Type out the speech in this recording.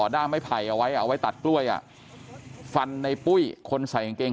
ด้ามไม้ไผ่เอาไว้เอาไว้ตัดกล้วยอ่ะฟันในปุ้ยคนใส่กางเกง